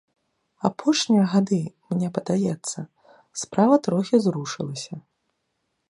Апошнія гады, мне падаецца, справа трохі зрушылася.